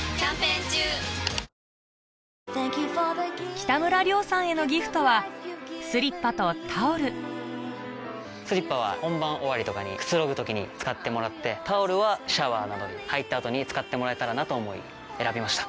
北村諒さんへのギフトはスリッパとタオルスリッパは本番終わりとかにくつろぐ時に使ってもらってタオルはシャワーなどに入った後に使ってもらえたらなと思い選びました。